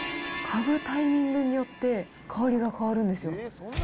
嗅ぐタイミングによって香りが変わるんですよ。